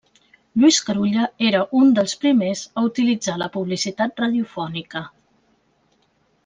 Lluís Carulla era un dels primers a utilitzar la publicitat radiofònica.